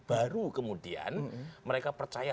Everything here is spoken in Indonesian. baru kemudian mereka percaya